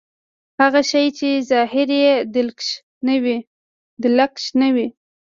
هغه شی چې ظاهر يې دلکش نه وي.